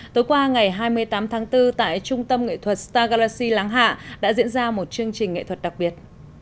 tối qua ngày hai mươi tám tháng bốn tại trung tâm nghệ thuật star galaxy láng hạ đã diễn ra một chương trình nghệ thuật đặc biệt